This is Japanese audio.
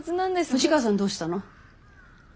藤川さんどうしたの？